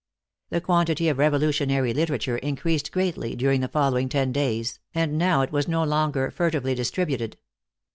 The quantity of revolutionary literature increased greatly during the following ten days, and now it was no longer furtively distributed.